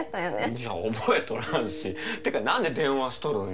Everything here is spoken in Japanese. いや覚えとらんしてか何で電話しとるんよ